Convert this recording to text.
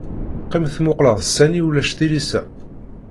Qqim tmuqleḍ sani ulac tilisa.